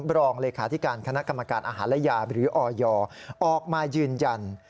รองเลขาธิการคณะกรรมการอาหารและยาหรือออยออกมายืนยัน